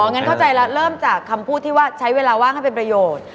งั้นเข้าใจแล้วเริ่มจากคำพูดที่ว่าใช้เวลาว่างให้เป็นประโยชน์